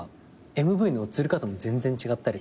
ＭＶの映り方も全然違ったりとか。